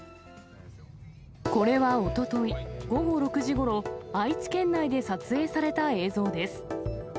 これはおととい午後６時ごろ、愛知県内で撮影された映像です。